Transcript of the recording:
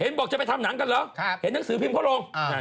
บอกจะไปทำหนังกันเหรอเห็นหนังสือพิมพ์เขาลง